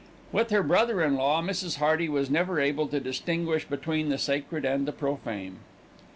With her brother in law, Mrs. Hearty was never able to distinguish between the sacred and the profane.